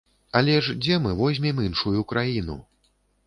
Але ж дзе мы возьмем іншую краіну?